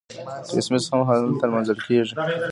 کریسمس هم هلته لمانځل کیږي.